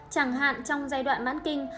chẳng hạn trong giai đoạn mãn kinh